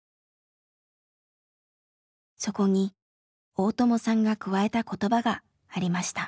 そこに大友さんが加えた言葉がありました。